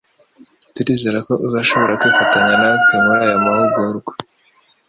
Turizera ko uzashobora kwifatanya natwe muri aya mahugurwa.